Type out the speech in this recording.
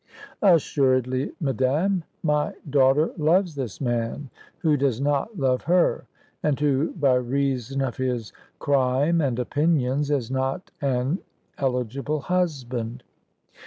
"Assuredly, madame. My daughter loves this man, who does not love her, and who, by reason of his crime and opinions, is not an eligible husband.